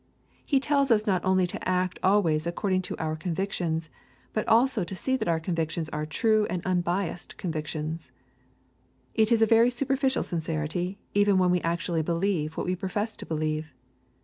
He tells us not only to act always according to our convictions, but also to see that our convictions are true and unbiassed convictions. It is a very superficial sincerity even when we actually believe what we profess to believe.